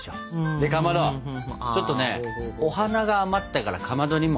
でかまどちょっとねお花が余ったからかまどにも。